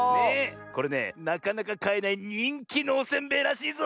これねなかなかかえないにんきのおせんべいらしいぞ！